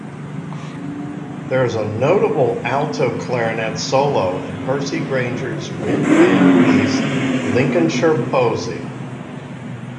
There is a notable alto clarinet solo in Percy Grainger's wind-band piece "Lincolnshire Posy".